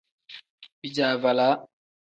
Bijaavalaa.